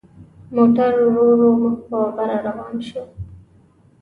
موټر ورو ورو مخ په بره روان شو.